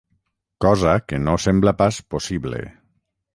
Cosa que no sembla pas possible.